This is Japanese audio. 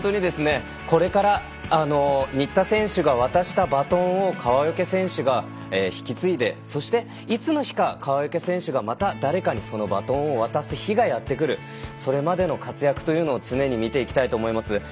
これから新田選手が渡したバトンを川除選手が引き継いでそして、いつの日か川除選手がまた誰かにそのバトンを渡す日がやってくるそれまでの活躍というのを常に見ていきたいと思います。